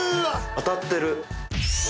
当たってる。